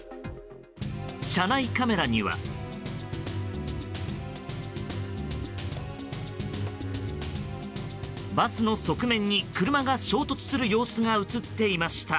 車内カメラにはバスの側面に車が衝突する様子が映っていました。